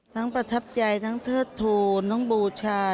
ประทับใจทั้งเทิดทูลทั้งบูชา